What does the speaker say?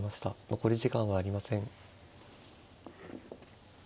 残り時間はありません。